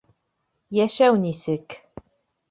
Йәшәү нисек?